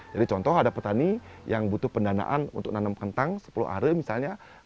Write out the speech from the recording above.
jadi contoh ada petani yang butuh pendanaan untuk nanam kentang sepuluh hari misalnya